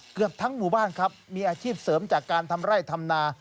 เกือบทั้งหมู่บ้านครับมีอาชีพเสริมจากการทำไร่ทำนา